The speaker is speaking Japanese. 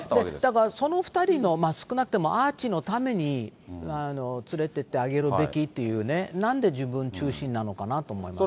だからその２人の、少なくともアーチーのために、連れてってあげるべきっていうね、なんで自分中心なのかなと思いますね。